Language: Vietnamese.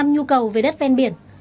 nhu cầu về đất ven biển